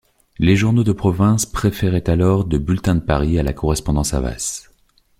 Les journaux de province préféraient alors de Bulletin de Paris à la Correspondance Havas.